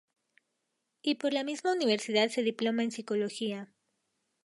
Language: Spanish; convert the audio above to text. Y por la misma Universidad se diploma en Psicología.